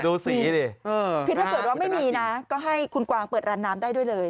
ดูสีดิคือถ้าเกิดว่าไม่มีนะก็ให้คุณกวางเปิดร้านน้ำได้ด้วยเลย